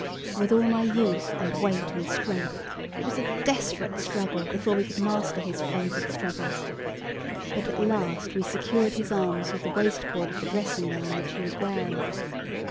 With all my youth and weight and strength, it was a desperate struggle before we could master his frenzied struggles; but at last we secured his arms with the waist cord of the dressing gown which he was wearing.